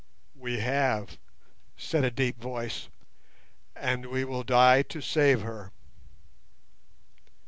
"We have," said a deep voice, "and we will die to save her."